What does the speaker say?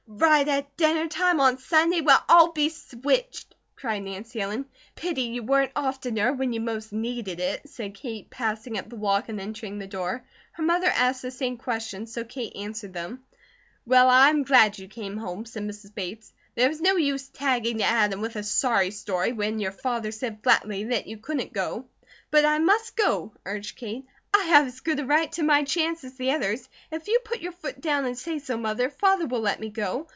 "Right at dinner time on Sunday? Well, I'll be switched!" cried Nancy Ellen. "Pity you weren't oftener, when you most needed it," said Kate, passing up the walk and entering the door. Her mother asked the same questions so Kate answered them. "Well, I am glad you came home," said Mrs. Bates. "There was no use tagging to Adam with a sorry story, when your father said flatly that you couldn't go." "But I must go!" urged Kate. "I have as good a right to my chance as the others. If you put your foot down and say so, Mother, Father will let me go.